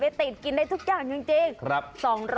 ติดกินได้ทุกอย่างจริง